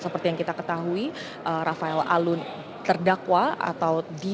seperti yang kita ketahui rafael alun terdakwa atau d